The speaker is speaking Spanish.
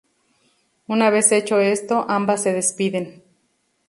Una vez hecho esto, ambas se despiden.